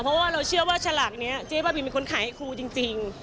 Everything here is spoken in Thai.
เพราะว่าเราเชื่อว่าฉลากนี้เจ๊บ้าบินเป็นคนขายให้ครูจริง